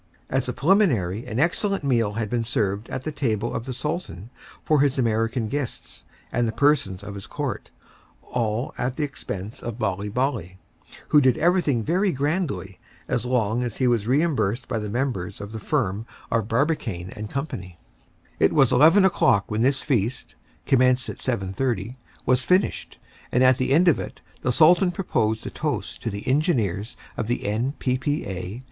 As a preliminary an excellent meal had been served at the table of the Sultan for his American guests and the persons of his court, all at the expense of Bali Bali, who did everything very grandly as long as he was reimbursed by the members of the firm of Barbicane & Co. It was 11 o'clock when this feast, commenced at 7:30, was finished, and at the end of it the Sultan proposed a toast to the engineers of the N. P. P. A.